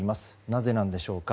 なぜなのでしょうか。